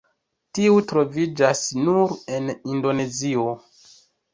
Tiu troviĝas nur en Indonezio.